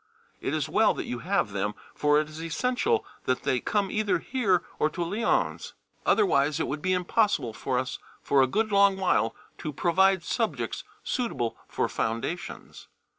It is well that you have them, for it is essential that they come either here or to Lyons, otherwise it would be impossible for us for a good long while to provide subjects suitable for foundations.